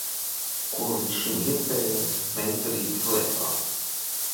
Ko līdz šim, iespējams, meistarīgi slēpām.